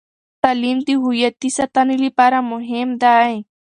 تعلیم د هویتي ساتنې لپاره مهم دی.